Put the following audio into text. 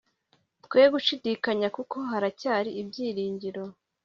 twe gushidikanya kuko haracyari ibyiringiro